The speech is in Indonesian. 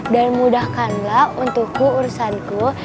dan mudahkanlah untukku ursanku